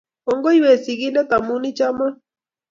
Kongoi we sigindet amu ichomon